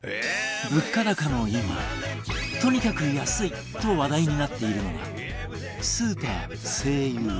物価高の今「とにかく安い！」と話題になっているのがスーパー ＳＥＩＹＵ